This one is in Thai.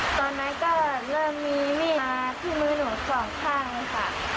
ตอนนั้นก็เริ่มมีมีดมาที่มือหนูสองข้างค่ะ